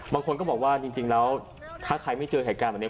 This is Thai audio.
บางคนก็บอกว่าจริงแล้วถ้าใครไม่เจอเหตุการณ์แบบนี้